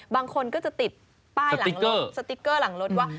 บางคนก็จะติดป้ายหลังรถสติ๊กเกอร์หลังรถว่า